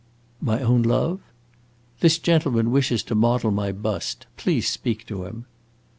"My own love?" "This gentleman wishes to model my bust. Please speak to him."